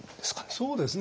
そうですね。